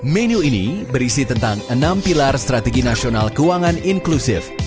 menu ini berisi tentang enam pilar strategi nasional keuangan inklusif